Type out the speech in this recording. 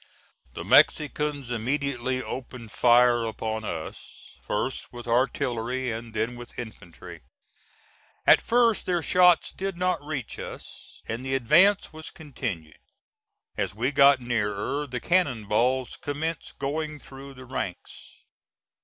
The Mexicans immediately opened fire upon us, first with artillery and then with infantry. At first their shots did not reach us, and the advance was continued. As we got nearer, the cannon balls commenced going through the ranks.